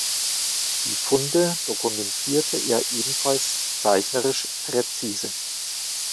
Die Funde dokumentierte er ebenfalls zeichnerisch präzise.